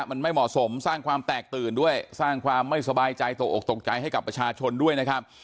มันไม่เหมาะสมสร้างความแตกตื่นด้วยสร้างความไม่สบายใจตกออกตกใจให้กับประชาชนด้วยนะครับ